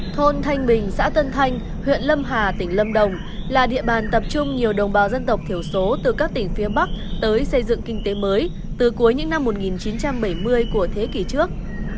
thôn thanh bình xã tân thanh huyện lâm hà tỉnh lâm đồng là địa bàn tập trung nhiều đồng bào dân tộc thiểu số từ các tỉnh phía bắc tới xây dựng kinh tế mới từ cuối những năm một nghìn chín trăm bảy mươi của thế kỷ trước